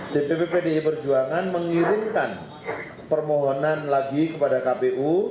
dpp pdi perjuangan mengirimkan permohonan lagi kepada kpu